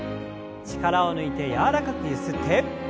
力を抜いて柔らかくゆすって。